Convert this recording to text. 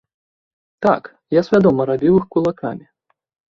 Так, я свядома рабіў іх кулакамі.